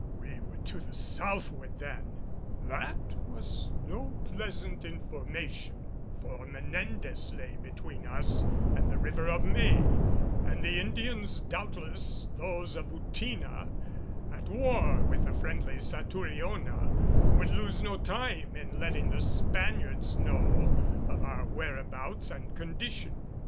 We were to the southward then! That was no pleasant information, for Menendez lay between us and the River of May; and the Indians, doubtless those of Outina, at war with the friendly Satouriona, would lose no time in letting the Spaniards know of our whereabouts and condition.